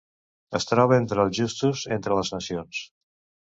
Es troba entre els Justos entre les Nacions.